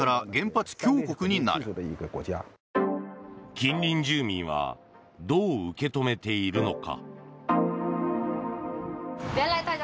近隣住民はどう受け止めているのか。